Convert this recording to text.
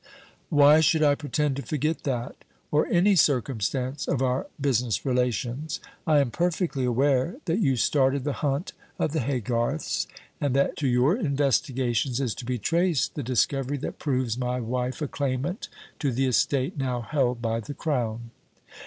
"Why should I pretend to forget that, or any circumstance of our business relations? I am perfectly aware that you started the hunt of the Haygarths, and that to your investigations is to be traced the discovery that proves my wife a claimant to the estate now held by the Crown."